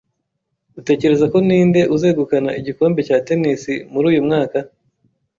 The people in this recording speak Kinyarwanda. Utekereza ko ninde uzegukana igikombe cya tennis muri uyu mwaka?